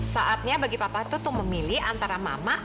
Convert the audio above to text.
saatnya bagi papa itu tuh memilih antara mama